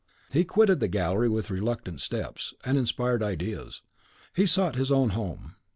He quitted the gallery with reluctant steps and inspired ideas; he sought his own home.